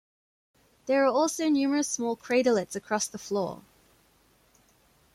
There are also numerous small craterlets across the floor.